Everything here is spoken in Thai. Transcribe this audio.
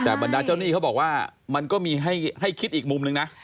แต่บรรดาเจ้าหนี้เขาบอกว่ามันก็มีให้คิดอีกมุมนึงนะ